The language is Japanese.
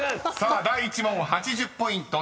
［第１問８０ポイント。